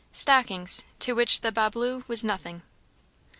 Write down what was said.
Stockings, to which the "Bas Bleu" was nothing.